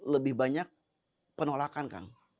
lebih banyak penolakan kan